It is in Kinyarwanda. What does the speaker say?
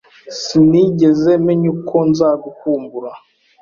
Sinigeze menya uko nzagukumbura.